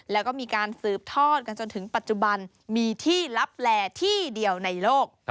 แล้วก็มีการสืบทอดกันจนถึงปัจจุบันมีที่ลับแลที่เดียวในโลก